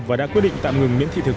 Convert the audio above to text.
và đã quyết định tạm ngừng miễn thị thực